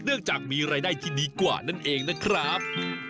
จากมีรายได้ที่ดีกว่านั่นเองนะครับ